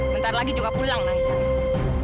bentar lagi juga pulang naik samis